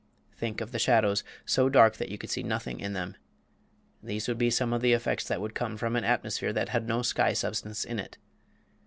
Think of the shadows, so dark that you could see nothing in them. These would be some of the effects that would come from an atmosphere that had no sky substance in it.